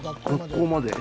学校まで。